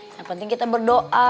yang penting kita berdoa